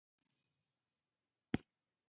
ما ته معلومېږي اوس بې عقله شوې یم.